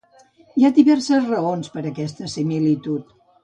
Hi ha diverses raons per a aquesta similitud.